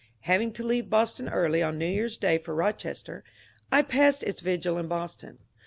Having to leave Boston early on New Year's Day for Eochester, I passed its vigil in Boston.